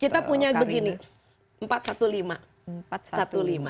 kita punya begini empat ratus lima belas